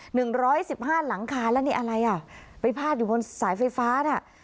หนึ่งร้อยสิบห้าหลังคาแล้วนี่อะไรอ่ะไปพาดอยู่บนสายไฟฟ้าน่ะ